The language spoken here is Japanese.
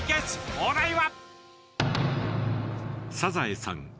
お題は？